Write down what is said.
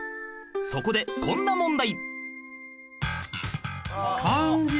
そこでこんな問題